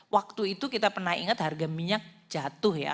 waktu itu kita pernah ingat harga minyak jatuh ya